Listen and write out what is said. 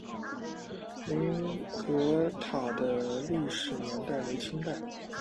凌云阁塔的历史年代为清代。